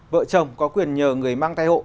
vợ chồng có quyền nhờ người mang thai hộ